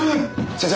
先生！